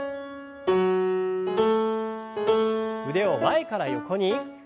腕を前から横に。